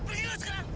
pergi lo sekarang